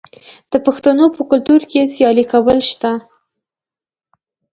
د پښتنو په کلتور کې سیالي کول شته.